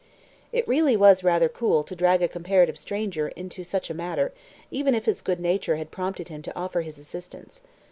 It really was rather cool to drag a comparative stranger into such a matter, even if his good nature had prompted him to offer his assistance.